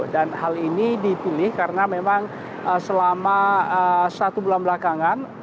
dan hal ini dipilih karena memang selama satu bulan belakangan